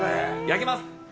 焼きます！